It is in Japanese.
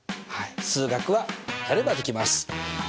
数学はやればできます！